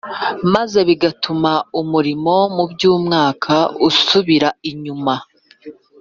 maze bigatuma umurimo mu by’umwuka usubira inyuma